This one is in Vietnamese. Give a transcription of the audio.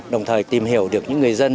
đồng thời tìm hiểu được những người dân